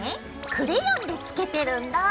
クレヨンでつけてるんだ。